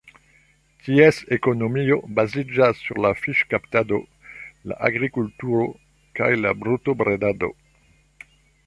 Ties ekonomio baziĝas sur la fiŝkaptado, la agrikulturo kaj la brutobredado.